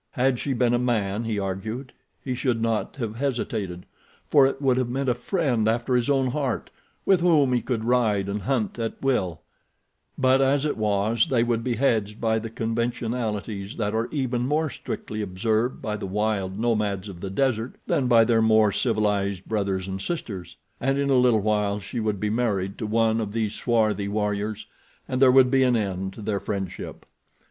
Had she been a man, he argued, he should not have hesitated, for it would have meant a friend after his own heart, with whom he could ride and hunt at will; but as it was they would be hedged by the conventionalities that are even more strictly observed by the wild nomads of the desert than by their more civilized brothers and sisters. And in a little while she would be married to one of these swarthy warriors, and there would be an end to their friendship.